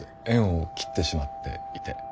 縁を切ってしまっていて。